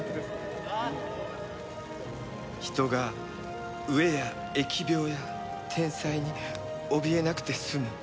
人が飢えや疫病や天災におびえなくて済む